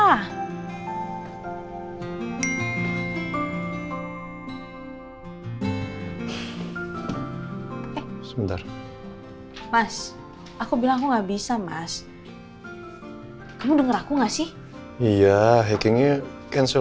eh sebentar mas aku bilang aku nggak bisa mas kamu denger aku gak sih iya hikingnya cancel